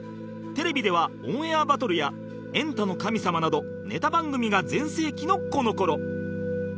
テレビでは『オンエアバトル』や『エンタの神様』などネタ番組が全盛期のこの頃